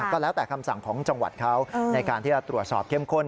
ก็แล้วแต่คำสั่งของจังหวัดเขาในการที่จะตรวจสอบเข้มข้น